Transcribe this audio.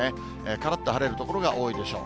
からっと晴れる所が多いでしょう。